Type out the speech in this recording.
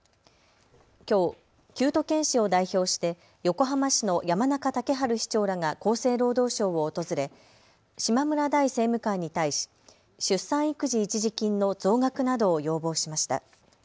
きょう九都県市を代表して横浜市の山中竹春市長らが厚生労働省を訪れ島村大政務官に対し出産育児一時金の増額などを要望しました。